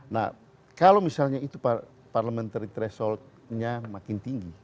nah kalau misalnya itu parliamentary thresholdnya makin tinggi